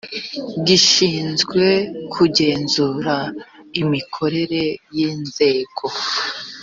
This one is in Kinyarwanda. gishinzwe kugenzura imikorere y inzego